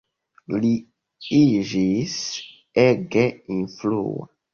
Li iĝis ege influa.